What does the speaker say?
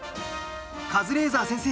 カズレーザー先生